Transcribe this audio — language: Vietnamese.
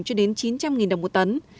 cho đến chín trăm linh đồng một tấn